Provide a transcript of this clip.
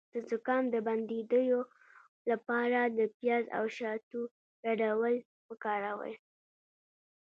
د زکام د بندیدو لپاره د پیاز او شاتو ګډول وکاروئ